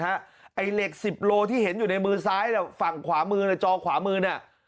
ไอ้เหล็กสิบโลที่เห็นอยู่ในมือซ้ายฝั่งขวามือในจอขวามือเนี่ย